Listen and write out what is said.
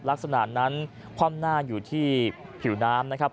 ลักษณะนั้นคว่ำหน้าอยู่ที่ผิวน้ำนะครับ